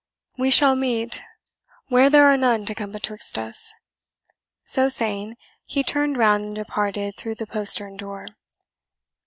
we shall meet where there are none to come betwixt us." So saying, he turned round and departed through the postern door.